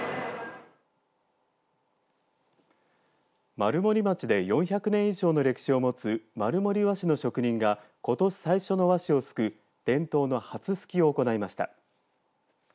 丸森町で４００年以上の歴史を持つ丸森和紙の職人がことし最初の和紙をすく伝統の初すきを行いました。